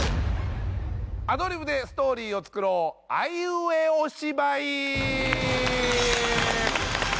アドリブでストーリーを作ろうあいうえお芝居！